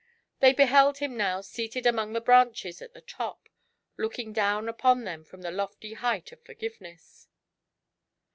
They beheld him now seated among the branches at the top, looking down upon them from the lofty height of Forgiveness.